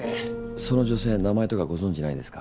その女性名前とかご存じないですか？